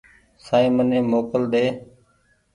سائين مني موڪل ۮي